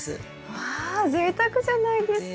わぜいたくじゃないですか。